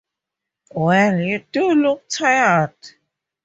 Well, you do look tired.